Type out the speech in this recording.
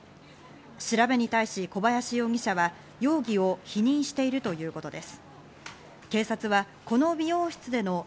調べに対し小林容疑者は容疑を否認しているということです。